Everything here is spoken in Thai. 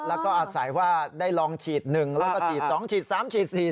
แล้วก็อัดสายว่าได้ลองฉีดหนึ่งแล้วก็ฉีดสองฉีดสามฉีดสี่